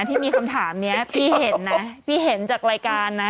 ที่มีคำถามนี้พี่เห็นนะพี่เห็นจากรายการนะ